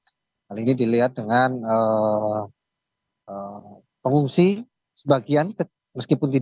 hal ini dilihat dengan pengungsi sebagian